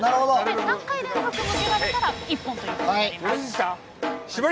３回連続で勝ったら一本ということになります。